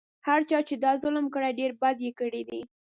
هر چا چې دا ظلم کړی ډېر بد یې کړي دي.